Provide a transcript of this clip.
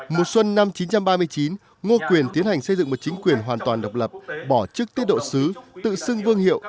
mùa xuân năm một nghìn chín trăm ba mươi chín ngô quyền tiến hành xây dựng một chính quyền hoàn toàn độc lập bỏ chức tiết độ xứ tự xưng vương hiệu